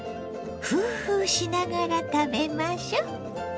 フーフーしながら食べましょ。